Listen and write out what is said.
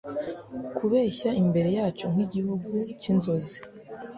Kubeshya imbere yacu nkigihugu cyinzozi